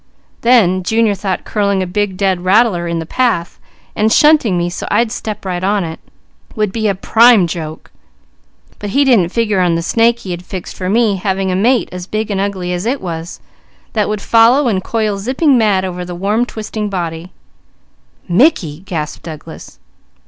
Then Junior thought curling a big dead rattler in the path, and shunting me so I'd step right on it, would be a prime joke; but he didn't figure on the snake he had fixed for me having a mate as big and ugly as it was, that would follow and coil zipping mad over the warm twisting body " "Mickey!" gasped Douglas.